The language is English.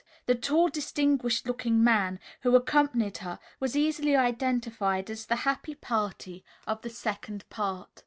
The tall, distinguished looking man who accompanied her was easily identified as the happy party of the second part.